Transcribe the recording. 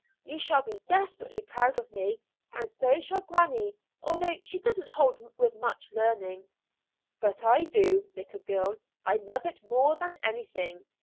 You shall be desperately proud of me; and so shall granny, although she doesn't hold with much learning." "But I do, little girl; I love it more than anything.